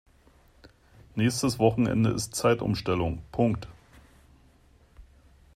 Nächstes Wochenende ist Zeitumstellung.